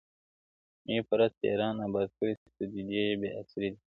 می پرست یاران اباد کړې، سجدې یې بې اسرې دي,